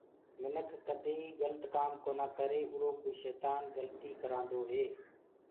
مٚنک ڪديئيٚ گلِت ڪآم ڪونآ ڪري اروُ شيتآن گلتيٚ ڪروآدوئي